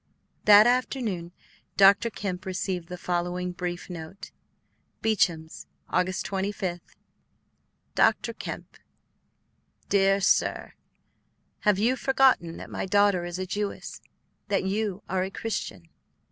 That afternoon Dr. Kemp received the following brief note: BEACHAM'S, August 25, 188 DR. KEMP: DEAR SIR, Have you forgotten that my daughter is a Jewess; that you are a Christian?